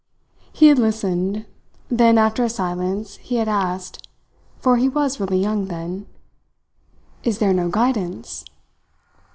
He had listened. Then, after a silence, he had asked for he was really young then: "Is there no guidance?"